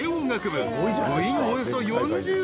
［部員およそ４０人］